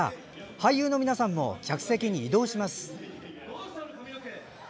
俳優の皆さんも客席に移動します。